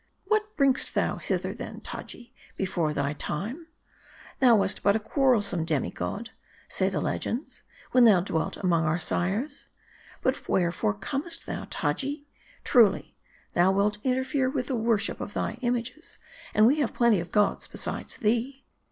What bring'st thou hither then, Taji, before thy time ? Thou wast but a quarrelsome demi god, say the legends, when thou dwelt among our sires. But wherefore comest thou, Taji? Truly, thou wilt interfere with the worship of thy images, and we have plenty of gods besides thee.